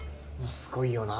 すごいよな。